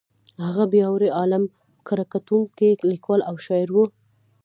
هغه پیاوړی عالم، کره کتونکی، لیکوال او شاعر و.